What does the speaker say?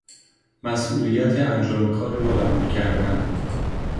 مسئولیت انجام کاری را قبول کردن